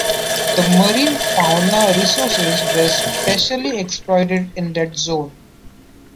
The marine fauna resources were specially exploited in that zone.